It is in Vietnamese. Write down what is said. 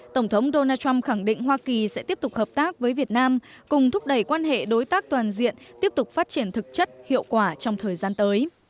tổng thống donald trump khẳng định hoa kỳ sẽ tiếp tục hợp tác với việt nam cùng thúc đẩy quan hệ đối tác toàn diện tiếp tục phát triển thực chất hiệu quả trong thời gian tới